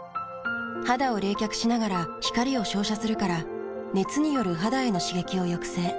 肌を冷却しながら光を照射するから熱による肌への刺激を抑制。